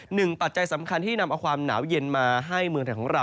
ปัจจัยสำคัญที่นำเอาความหนาวเย็นมาให้เมืองไทยของเรา